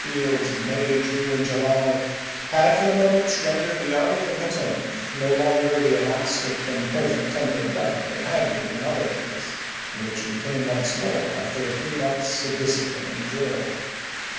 fields of May, June, and July, had for the moment rendered the Army of the Potomac no longer the elastic and perfect tempered weapon it had been in other days, and which it became once more after a few months of discipline and drill.